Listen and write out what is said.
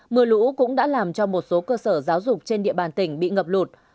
mưa lũ cũng đã làm cho một số cơ sở giáo dục trên địa bàn tỉnh bị ngập lụt